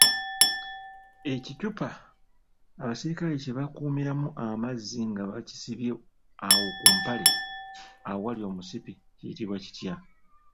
Ekicupa abasirikale kye bakuumiramu amazzi nga bakisibye awo ku mpale awali omusipi kiyitibwa kitya?